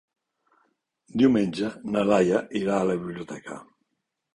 Diumenge na Laia irà a la biblioteca.